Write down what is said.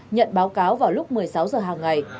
nhận báo cáo vào lúc một mươi sáu h hàng ngày